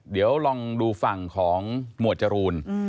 เดี๋ยวลองดูฝั่งของหมวดจรูน